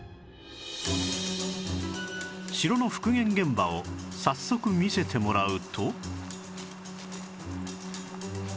城の復元現場を早速見せてもらうと